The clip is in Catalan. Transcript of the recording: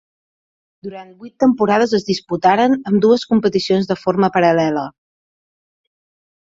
Durant vuit temporades es disputaren ambdues competicions de forma paral·lela.